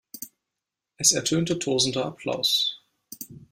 Es ertönte tosender Applaus.